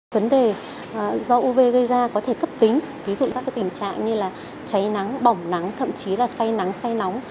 vấn đề do uv gây ra có thể cấp tính ví dụ các tình trạng như là cháy nắng bỏng nắng thậm chí là say nắng say nóng